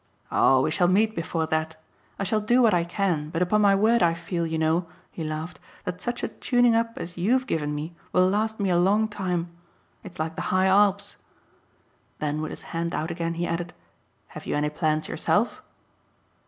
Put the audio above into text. "Oh we shall meet before that. I shall do what I can, but upon my word I feel, you know," he laughed, "that such a tuning up as YOU'VE given me will last me a long time. It's like the high Alps." Then with his hand out again he added: "Have you any plans yourself?"